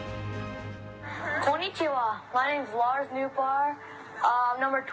こんにちは。